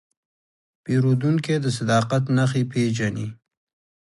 پیرودونکی د صداقت نښې پېژني.